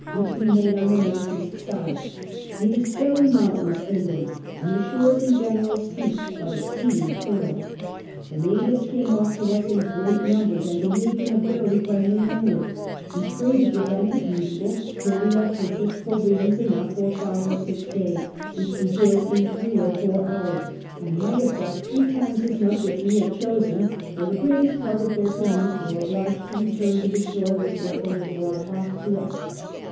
which we made on the N.E. side ; it is very mountainous inland, and the shores in general steep, but exceeding fertile. The natives came off to us in great numbers and behaved in a very friendly manner ; we traded with them as usual till we had purchased provisions enough for five or six days ; which we did in three or four hours, and might have got three times as mucli if we had chosen, fur the gmitest part of their canoes were obliged to return to the shore with what they had brought off to us.